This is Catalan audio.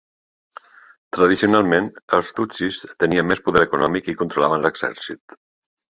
Tradicionalment, els tutsis tenien més poder econòmic i controlaven l'exèrcit.